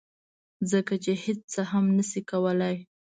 ځکه چې هیڅ څه هم نشي کولی